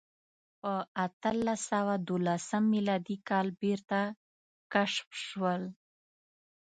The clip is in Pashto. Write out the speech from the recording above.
په اتلس سوه دولسم میلادي کال بېرته کشف شول.